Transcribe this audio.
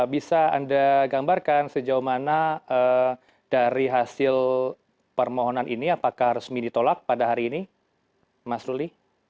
bisa anda gambarkan sejauh mana dari hasil permohonan ini apakah resmi ditolak pada hari ini mas ruli